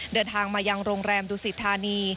เดินทางมายังโรงแรมดูสิทธานี